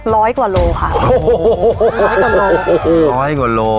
ร้อยกว่าโลค่ะร้อยกว่าโลครับโอ้โห